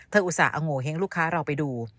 อุตส่าห์เอาโงเห้งลูกค้าเราไปดู